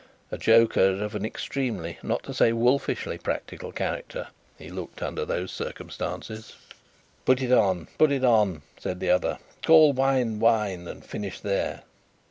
A joker of an extremely, not to say wolfishly practical character, he looked, under those circumstances. "Put it on, put it on," said the other. "Call wine, wine; and finish there."